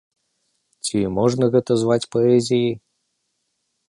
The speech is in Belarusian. Ці можна гэта зваць паэзіяй?